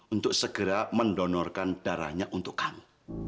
untuk segera mendonorkan darahnya untuk kami